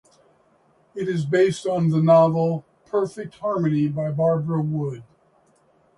It is based on the novel "Perfect Harmony" by Barbara Wood.